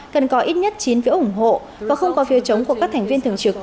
cần có ít nhất chín phiếu ủng hộ và không có phiếu chống của các thành viên thường trực